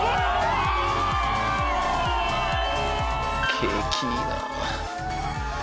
景気いいなあ。